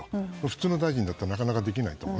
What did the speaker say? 普通の大臣だったらなかなかできないと思う。